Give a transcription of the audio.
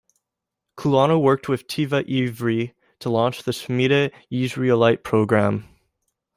Kulanu worked with Teva Ivri to launch the Shmita Yisraelit program.